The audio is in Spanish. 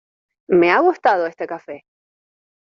¡Me ha gustado este café!